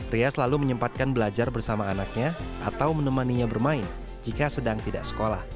ria selalu menyempatkan belajar bersama anaknya atau menemaninya bermain jika sedang tidak sekolah